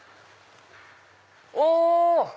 お！